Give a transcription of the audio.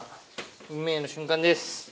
運命の瞬間です！